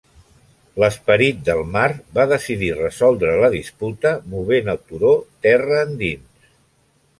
L'esperit del mar va decidir resoldre la disputa movent el turó terra endins.